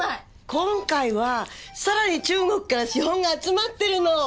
今回は更に中国から資本が集まってるの。